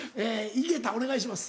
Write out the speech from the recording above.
・井桁お願いします。